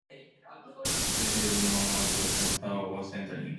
This is known as a centre or centring.